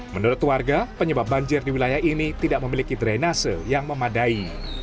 menurut warga penyebab banjir di wilayah ini tidak memiliki drainase yang memadai